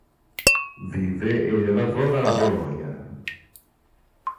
Vive e lavora a Bologna.